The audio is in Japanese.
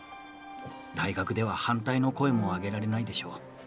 大学では反対の声も上げられないでしょう。